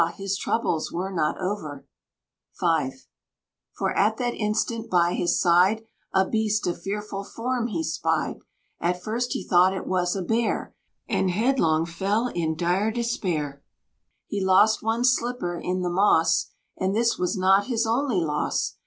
his troubles were not over! V. For at that instant, by his side, A beast of fearful form he spied: At first he thought it was a bear, And headlong fell in dire despair. He lost one slipper in the moss, And this was not his only loss.